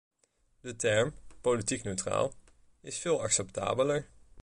De term 'politiek neutraal' is veel acceptabeler.